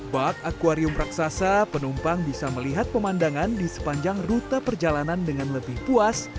bak akwarium raksasa penumpang bisa melihat pemandangan di sepanjang rute perjalanan dengan lebih puas